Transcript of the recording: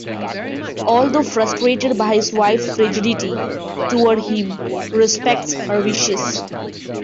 Although frustrated by his wife's frigidity toward him, he respects her wishes.